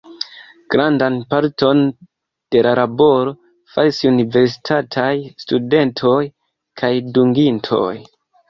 Grandan parton de la laboro faris universitataj studentoj kaj dungitoj.